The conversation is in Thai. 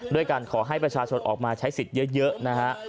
ด้วยการขอให้ประชาชนออกมาใช้สิทธิ์เยอะนะฮะ